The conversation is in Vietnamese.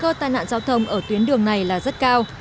cơ tai nạn giao thông ở tuyến đường này là rất cao